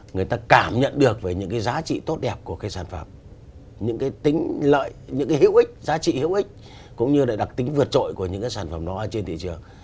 người ta cảm nhận được về những cái giá trị tốt đẹp của cái sản phẩm những cái tính lợi những cái hữu ích giá trị hữu ích cũng như là đặc tính vượt trội của những cái sản phẩm đó trên thị trường